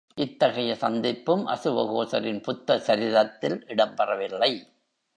இத்தகைய சந்திப்பும் அசுவகோசரின் புத்த சரிதத்தில் இடம்பெறவில்லை.